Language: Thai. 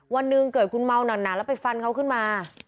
วันหนึ่งเกิดคุณเมาหนานแล้วไปฟันเขาขึ้นมา